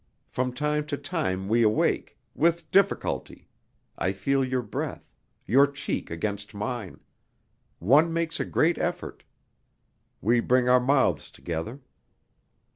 From time to time we awake.... With difficulty.... I feel your breath, your cheek against mine.... One makes a great effort; we bring our mouths together....